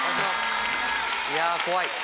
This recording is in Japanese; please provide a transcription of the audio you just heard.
いや怖い。